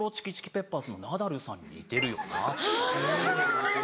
ペッパーズのナダルさんに似てるよな」とか。